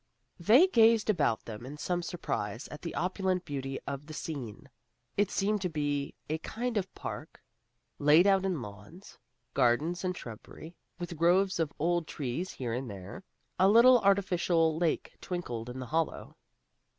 They gazed about them in some surprise at the opulent beauty of the scene. It seemed to be a kind of park, laid out in lawns, gardens and shrubbery, with groves of old trees here and there. A little artificial lake twinkled in a hollow.